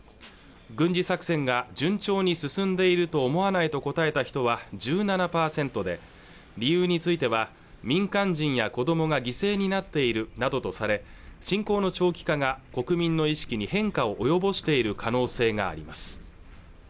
軍事作戦が順調に進んでいると思わないと答えた人は１７％で理由については民間人や子供が犠牲になっているなどとされ侵攻の長期化が国民の意識に変化を及ぼしている可能性があります